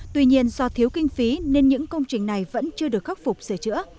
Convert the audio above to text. tuy nhiên do thiếu kinh phí nên những công trình này vẫn chưa được khắc phục sửa chữa